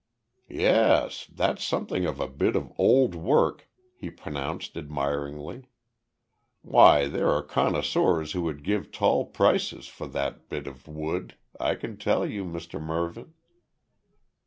"Yes. That's something of a bit of old work," he pronounced admiringly. "Why there are connoisseurs who would give tall prices for that bit of wood, I can tell you, Mr Mervyn."